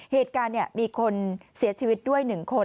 เหตุการณ์มีคนเสียชีวิตด้วย๑คน